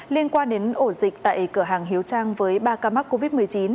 liên quan đến ổ dịch tại cửa hàng hiếu trang với ba ca mắc covid một mươi chín